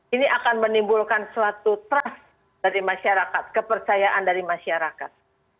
ini akan menimbulkan suatu trust dari masyarakat kepercayaan dari masyarakat